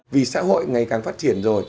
vì xã hội ngày càng phát triển rồi